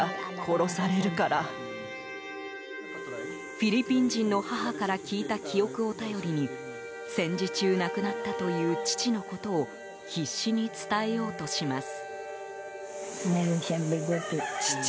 フィリピン人の母から聞いた記憶を頼りに戦時中、亡くなったという父のことを必死に伝えようとします。